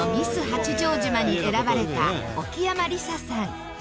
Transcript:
八丈島に選ばれた沖山理沙さん。